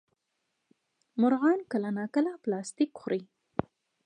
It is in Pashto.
مرغان کله ناکله پلاستيک خوري.